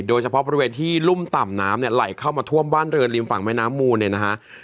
โดยเฉพาะบริเวณที่รุ่มต่ำน้ำเนี่ยไหลเข้ามาท่วมบ้านเรือนริมฝั่งแม่น้ำมูลเนี่ยนะฮะ